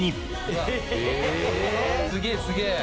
すげえすげえ！